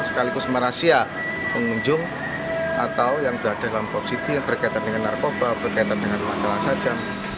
sekaligus merah sia pengunjung atau yang berada dalam pop city yang berkaitan dengan narkoba berkaitan dengan masalah saja